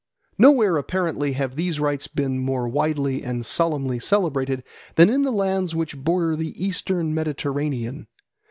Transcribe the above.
Nowhere, apparently, have these rites been more widely and solemnly celebrated than in the lands which border the Eastern Mediterranean.